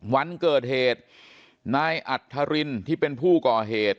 วันเกิดเหตุนายอัธรินที่เป็นผู้ก่อเหตุ